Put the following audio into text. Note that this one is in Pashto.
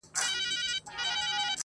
پسله كلونه چي جانان تـه ورځـي,